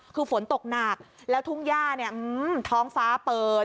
คือฝนตกหนักแล้วทุ่งย่าเนี่ยท้องฟ้าเปิด